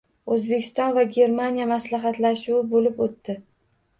O‘zbekiston va Germaniya maslahatlashuvi bo‘lib o‘tdi